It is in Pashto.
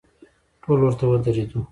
ټول ورته ودریدو.